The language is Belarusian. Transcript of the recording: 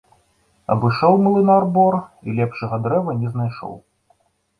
Абышоў млынар бор і лепшага дрэва не знайшоў.